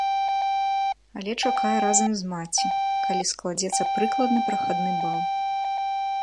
Але чакае разам з маці, калі складзецца прыкладны прахадны бал.